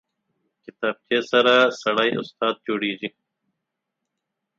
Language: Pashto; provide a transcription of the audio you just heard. کتابچه سره سړی استاد جوړېږي